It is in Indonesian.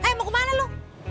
eh mau kemana lo